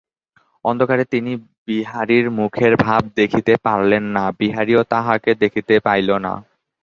অন্ধকারে তিনি বিহারীর মুখের ভাব দেখিতে পাইলেন না, বিহারীও তাঁহাকে দেখিতে পাইল না।